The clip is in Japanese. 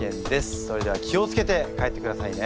それでは気を付けて帰ってくださいね。